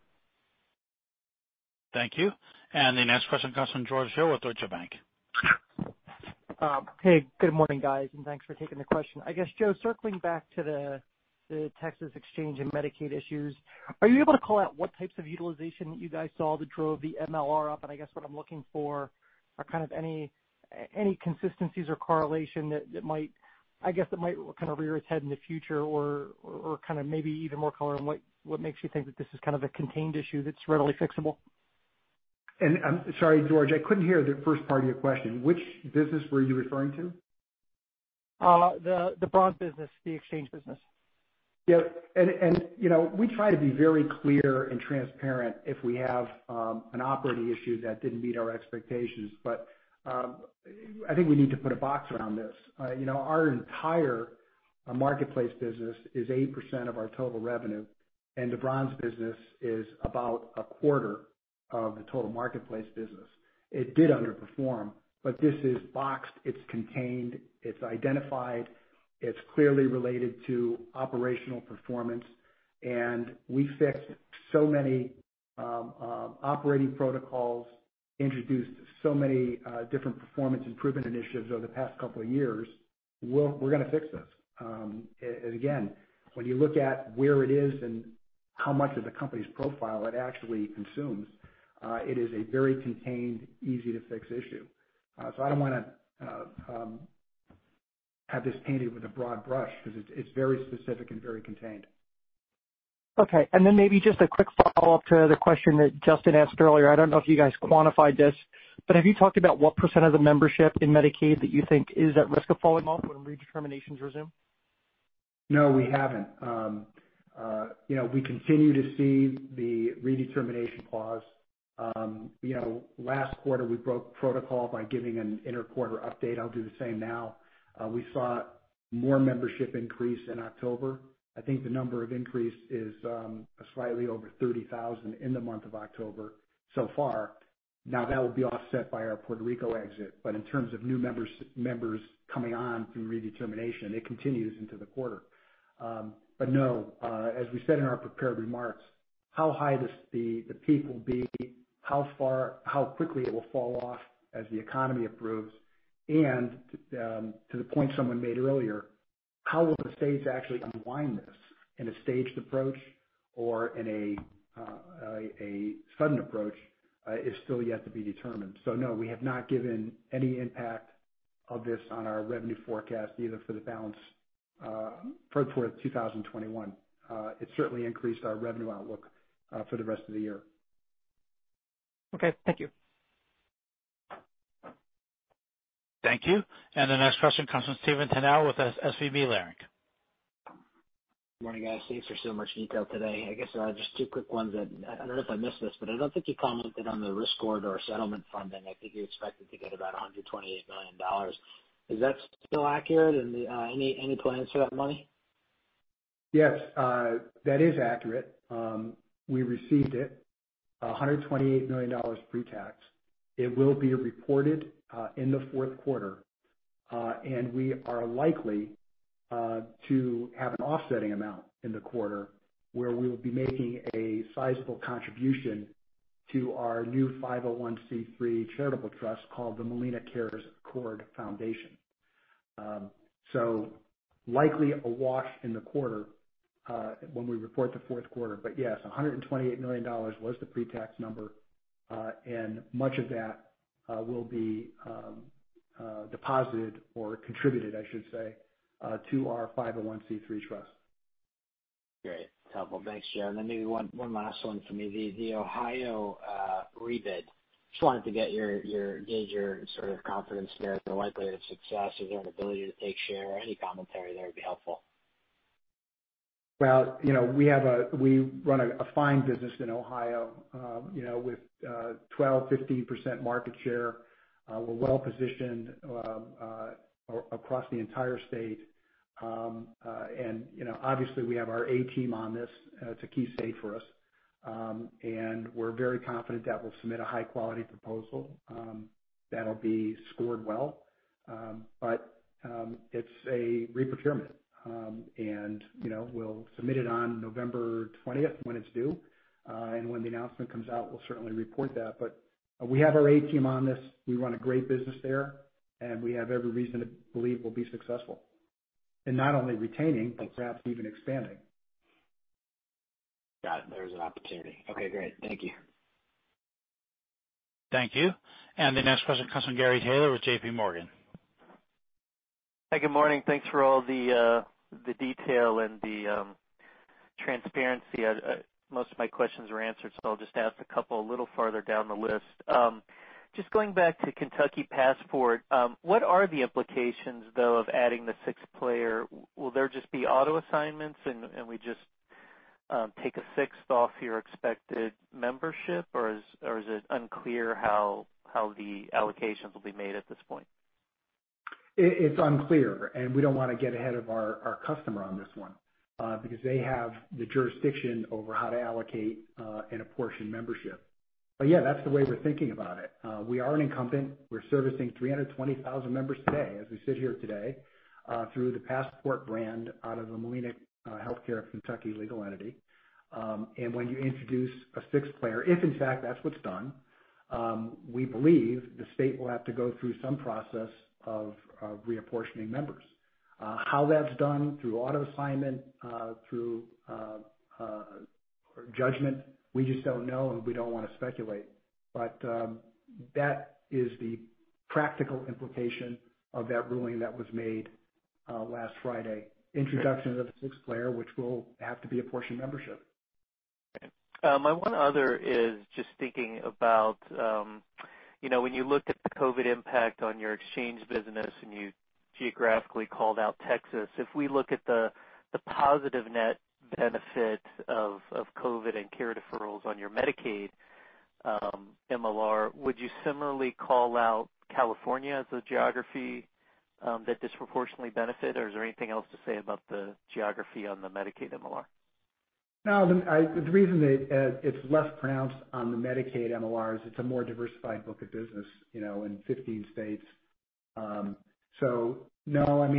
Thank you. The next question comes from George Hill with Deutsche Bank. Hey, good morning, guys, and thanks for taking the question. I guess, Joe, circling back to the Texas exchange and Medicaid issues, are you able to call out what types of utilization you guys saw that drove the MLR up? I guess what I'm looking for are kind of any consistencies or correlation that might rear its head in the future or maybe even more color on what makes you think that this is a contained issue that's readily fixable. I'm sorry, George, I couldn't hear the first part of your question. Which business were you referring to? The Bronze business, the exchange business. Yeah. We try to be very clear and transparent if we have an operating issue that didn't meet our expectations. I think we need to put a box around this. Our entire Marketplace business is 8% of our total revenue, and the Bronze business is about a quarter of the total Marketplace business. It did underperform, but this is boxed, it's contained, it's identified, it's clearly related to operational performance. We fixed so many operating protocols, introduced so many different performance improvement initiatives over the past couple of years. We're going to fix this. Again, when you look at where it is and how much of the company's profile it actually consumes, it is a very contained, easy-to-fix issue. I don't want to have this painted with a broad brush because it's very specific and very contained. Okay. Maybe just a quick follow-up to the question that Justin asked earlier. I don't know if you guys quantified this, but have you talked about what percent of the membership in Medicaid that you think is at risk of falling off when redeterminations resume? No, we haven't. We continue to see the redetermination pause. Last quarter, we broke protocol by giving an inter-quarter update. I'll do the same now. We saw more membership increase in October. I think the number of increase is slightly over 30,000 in the month of October so far. Now, that will be offset by our Puerto Rico exit, but in terms of new members coming on through redetermination, it continues into the quarter. But no, as we said in our prepared remarks, how high does the peak will be, how quickly it will fall off as the economy improves, and, to the point someone made earlier, how will the states actually unwind this in a staged approach or in a sudden approach, is still yet to be determined. No, we have not given any impact of this on our revenue forecast either for the balance for 2021. It certainly increased our revenue outlook for the rest of the year. Okay. Thank you. Thank you. The next question comes from Stephen Tanal with SVB Leerink. Good morning, guys. Thanks for so much detail today. I guess just two quick ones that, I don't know if I missed this, but I don't think you commented on the risk corridor or settlement funding. I think you expected to get about $128 million. Is that still accurate and any plans for that money? Yes. That is accurate. We received it, $128 million pre-tax. It will be reported in the fourth quarter. We are likely to have an offsetting amount in the quarter where we will be making a sizable contribution to our new 501(c)(3) charitable trust called the MolinaCares Accord Foundation. Likely a wash in the quarter, when we report the fourth quarter. Yes, $128 million was the pre-tax number. Much of that will be deposited or contributed, I should say, to our 501(c)(3) trust. Great. Helpful. Thanks, Joe. Maybe one last one for me. The Ohio rebid. Just wanted to gauge your sort of confidence there for likelihood of success or the ability to take share? Any commentary there would be helpful. Well, we run a fine business in Ohio, with 12%, 15% market share. We're well positioned across the entire state. Obviously we have our A team on this. It's a key state for us. We're very confident that we'll submit a high-quality proposal that'll be scored well. It's a re-procurement, we'll submit it on November 20th when it's due. When the announcement comes out, we'll certainly report that. We have our A team on this. We run a great business there, and we have every reason to believe we'll be successful, not only retaining, but perhaps even expanding. Got it. There is an opportunity. Okay, great. Thank you. Thank you. The next question comes from Gary Taylor with JPMorgan. Hi, good morning. Thanks for all the detail and the transparency. Most of my questions were answered. I'll just ask a couple a little farther down the list. Just going back to Kentucky Passport, what are the implications, though, of adding the sixth player? Will there just be auto assignments and we just take a sixth off your expected membership? Is it unclear how the allocations will be made at this point? It's unclear. We don't want to get ahead of our customer on this one, because they have the jurisdiction over how to allocate and apportion membership. But yeah, that's the way we're thinking about it. We are an incumbent. We're servicing 320,000 members today as we sit here today, through the Passport brand out of the Molina Healthcare Kentucky legal entity. When you introduce a sixth player, if in fact that's what's done, we believe the state will have to go through some process of reapportioning members. How that's done through auto assignment, through judgment, we just don't know, and we don't want to speculate. That is the practical implication of that ruling that was made last Friday. Introduction of the sixth player, which will have to be apportion membership. Great. My one other is just thinking about, when you look at the COVID impact on your exchange business, and you geographically called out Texas, if we look at the positive net benefit of COVID and care deferrals on your Medicaid MLR, would you similarly call out California as a geography that disproportionately benefit? Is there anything else to say about the geography on the Medicaid MLR? The reason that it's less pronounced on the Medicaid MLR is it's a more diversified book of business, in 15 states. No,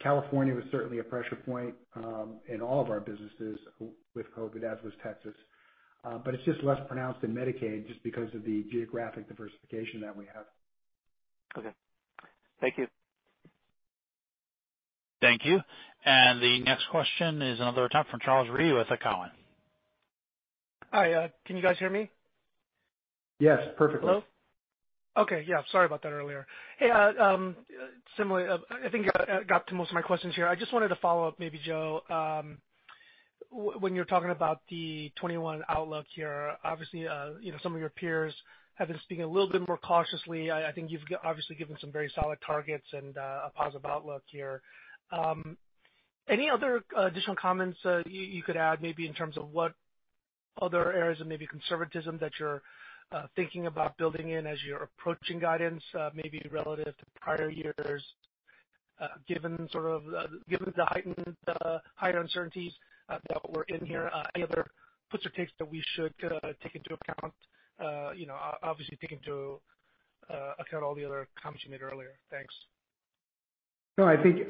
California was certainly a pressure point, in all of our businesses with COVID, as was Texas. It's just less pronounced in Medicaid just because of the geographic diversification that we have. Okay. Thank you. Thank you. The next question is another time from Charles Rhyee with Cowen. Hi, can you guys hear me? Yes, perfectly. Hello. Okay. Yeah, sorry about that earlier. Hey, similarly, I think I got to most of my questions here. I just wanted to follow up, maybe, Joe, when you're talking about the 2021 outlook here. Obviously, some of your peers have been speaking a little bit more cautiously. I think you've obviously given some very solid targets and a positive outlook here. Any other additional comments you could add maybe in terms of what other areas of maybe conservatism that you're thinking about building in as you're approaching guidance, maybe relative to prior years, given the higher uncertainties that were in here? Any other puts or takes that we should take into account? Obviously taking into account all the other comments you made earlier. Thanks. No, I think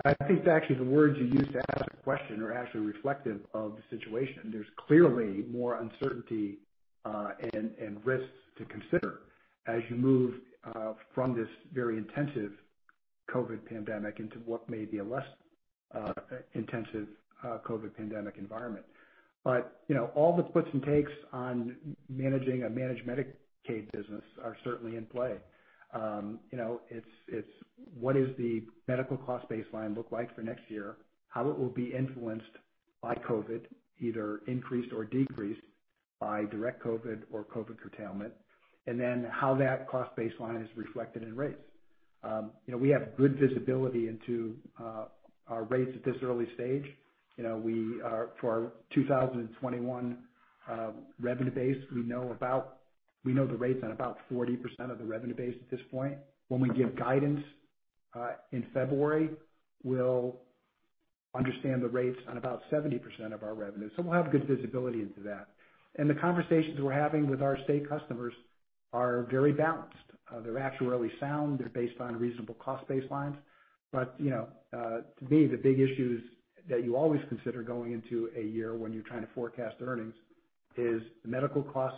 actually the words you used to ask the question are actually reflective of the situation. There's clearly more uncertainty, and risks to consider as you move from this very intensive COVID pandemic into what may be a less intensive COVID pandemic environment. All the puts and takes on managing a managed Medicaid business are certainly in play. It's what is the medical cost baseline look like for next year? How it will be influenced by COVID, either increased or decreased by direct COVID or COVID curtailment, then how that cost baseline is reflected in rates. We have good visibility into our rates at this early stage. For our 2021 revenue base, we know the rates on about 40% of the revenue base at this point. When we give guidance, in February, we'll understand the rates on about 70% of our revenue. We'll have good visibility into that. The conversations we're having with our state customers are very balanced. They're actuarially sound. They're based on reasonable cost baselines. To me, the big issues that you always consider going into a year when you're trying to forecast earnings is the medical cost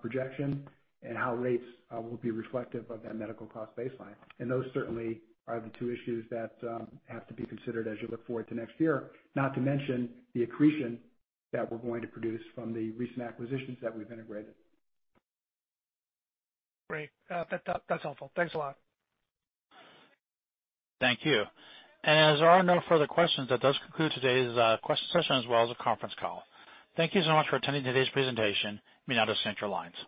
projection and how rates will be reflective of that medical cost baseline. Those certainly are the two issues that have to be considered as you look forward to next year. Not to mention the accretion that we're going to produce from the recent acquisitions that we've integrated. Great. That's helpful. Thanks a lot. Thank you. As there are no further questions, that does conclude today's question session as well as the conference call. Thank you so much for attending today's presentation. You may now disconnect your line.